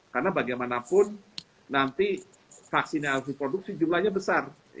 karena bagaimanapun nanti vaksinnya harus diproduksi jumlahnya besar